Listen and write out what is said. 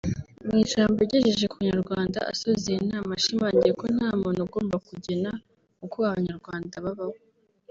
Mu ijambo yagejeje ku Banyarwanda asoza iyi nama yashimangiye ko nta muntu ugomba kugena uko Abanyarwanda babaho